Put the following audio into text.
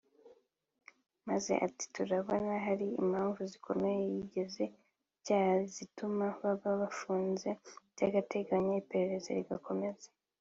Maze ati “turabona hari impamvu zikomeye zigize icyaha zituma baba bafunze by’agateganyo iperereza rigakomeza